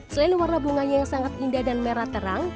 selain warna bunganya yang sangat indah dan merah terang